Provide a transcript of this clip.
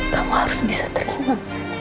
kamu harus bisa terima